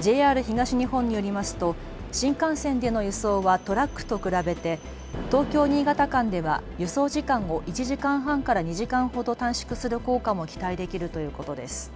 ＪＲ東日本によりますと新幹線での輸送はトラックと比べて東京・新潟間では輸送時間を１時間半から２時間ほど短縮する効果も期待できるということです。